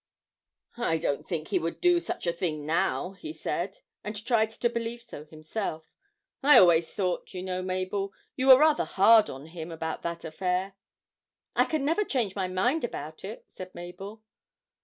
'I don't think he would do such a thing now,' he said, and tried to believe so himself. 'I always thought, you know, Mabel, you were rather hard on him about that affair.' 'I can never change my mind about it,' said Mabel.